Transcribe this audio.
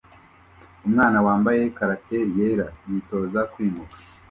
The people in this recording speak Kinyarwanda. umwana wambaye karate yera yitoza kwimuka